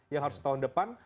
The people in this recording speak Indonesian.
yang harus tahun depan